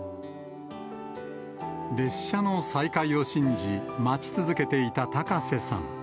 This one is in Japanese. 列車の再開を信じ、待ち続けていた高瀬さん。